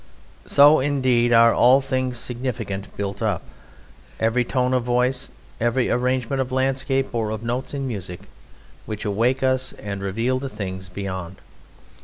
So indeed are all things significant built up: every tone of the voice, every arrangement of landscape or of notes in music which awake us and reveal the things beyond.